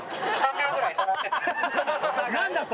「何だ！？」と。